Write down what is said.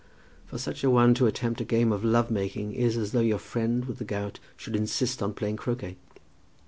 For such a one to attempt a game of love making, is as though your friend with the gout should insist on playing croquet.